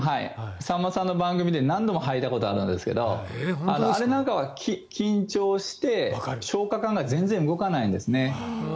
さんまさんの番組で何度も吐いたことがあるんですがあれなんかは緊張して消化管が全然動かないんですね。